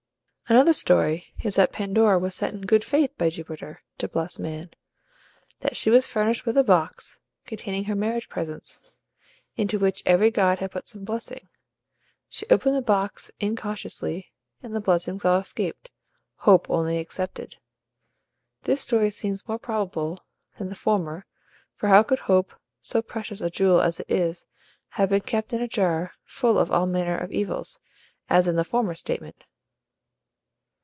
Another story is that Pandora was sent in good faith, by Jupiter, to bless man; that she was furnished with a box, containing her marriage presents, into which every god had put some blessing. She opened the box incautiously, and the blessings all escaped, HOPE only excepted. This story seems more probable than the former; for how could HOPE, so precious a jewel as it is, have been kept in a jar full of all manner of evils, as in the former statement?